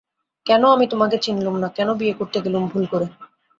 কেন আমি তোমাকে চিনলুম না, কেন বিয়ে করতে গেলুম ভুল করে।